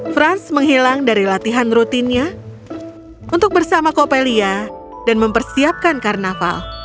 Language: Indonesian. franz menghilang dari latihan rutinnya untuk bersama copelia dan mempersiapkan karnaval